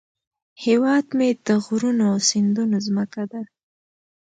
هیواد مې د غرونو او سیندونو زمکه ده